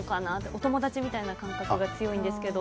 お友達みたいな感覚が強いんですけど。